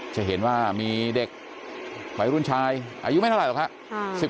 จะเห็นว่ามีเด็กไปรุ่นชายอายุไม่ได้เท่าไรหรือคะ